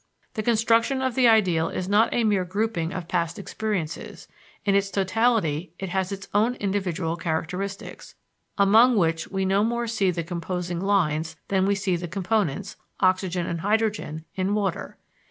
The construction of the ideal is not a mere grouping of past experiences; in its totality it has its own individual characteristics, among which we no more see the composing lines than we see the components, oxygen and hydrogen, in water.